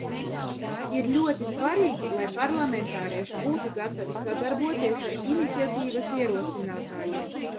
Ir ļoti svarīgi, lai parlamentārieši būtu gatavi sadarboties ar iniciatīvas ierosinātājiem.